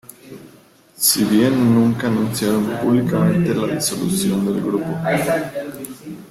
Si bien nunca anunciaron públicamente la disolución del grupo.